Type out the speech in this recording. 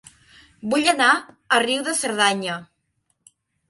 Vull anar a Riu de Cerdanya